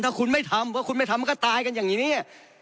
ท่านคุณไม่ทำพอไม่ทำก็ตายกันอย่างนี้